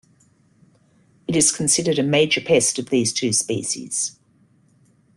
It is considered a major pest of these two species.